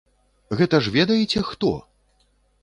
Гэта ж ведаеце, хто?